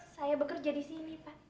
saya bekerja disini pak